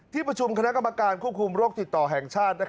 ประชุมคณะกรรมการควบคุมโรคติดต่อแห่งชาติ